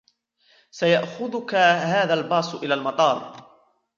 سيأخذك هذا الباص إلى المطار.